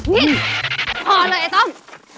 นี่พอเลยไอ้ต้อม